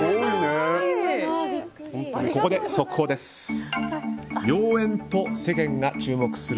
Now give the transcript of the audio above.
ここで速報です。